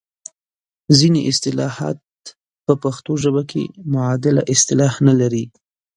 ځینې اصطلاحات په پښتو ژبه کې معادله اصطلاح نه لري.